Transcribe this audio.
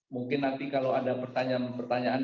mungkin nanti kalau ada pertanyaan pertanyaan